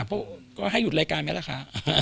เพราะก็ให้หยุดรายการไหมล่ะคะ